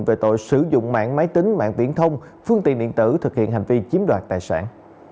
về tội sử dụng mạng máy tính mạng viễn thông phương tiện điện tử thực hiện hành vi chiếm đoạt tài sản